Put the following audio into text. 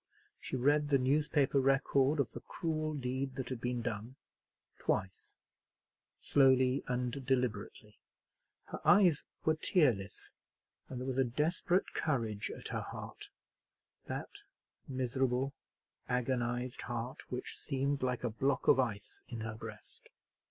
She read the newspaper record of the cruel deed that had been done—twice—slowly and deliberately. Her eyes were tearless, and there was a desperate courage at her heart; that miserable, agonized heart, which seemed like a block of ice in her breast.